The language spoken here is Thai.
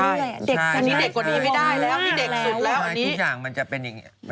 อันนี้เด็กกว่านี้ไม่ได้แล้วนี่เด็กสุดแล้วอะไรทุกอย่างมันจะเป็นอย่างนี้